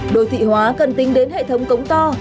đô thị hóa cần tính đến hệ thống cống to